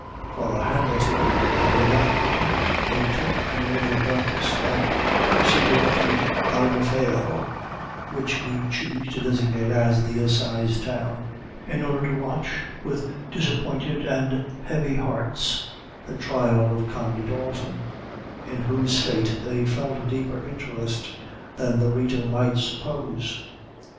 Father Hanratty having left them, they took an early breakfast, and proceeded to Ballynafail which we choose to designate as the assize town in order to watch, with disappointed and heavy hearts, the trial of Condy Dalton, in whose fate they felt a deeper interest than the reader might suppose.